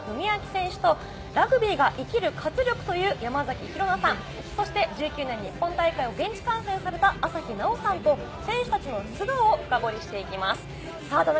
東葛所属、３大会連続ワールドカップ代表の田中史朗選手とラグビーが生きる活力という山崎紘菜さん、そして１９年、日本大会を現地観戦された朝日奈央さんと選手たちの素顔を深堀していきます。